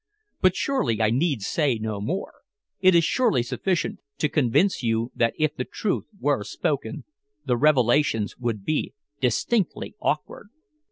But surely I need say no more. It is surely sufficient to convince you that if the truth were spoken, the revelations would be distinctly awkward."